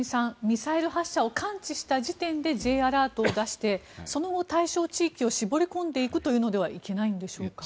ミサイル発射を感知した時点でＪアラートを出してその後、対象地域を絞り込んでいくというのではいけないんでしょうか。